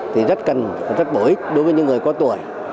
thì rất cần rất bổ ích đối với những người có tuổi